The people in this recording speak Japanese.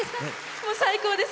最高です。